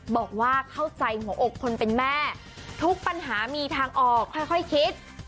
บอกว่าเข้าใจหัวอกคนเป็นแม่ทุกปัญหามีทางออกค่อยคิด